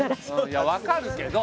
いや分かるけど。